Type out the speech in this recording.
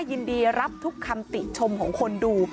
ยินดีรับทุกคำติชมของคนดู